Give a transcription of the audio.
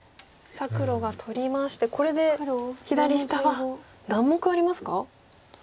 さあ黒が取りましてこれで左下は何目ありますか？